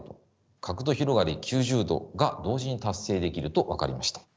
角度広がり９０°が同時に達成できると分かりました。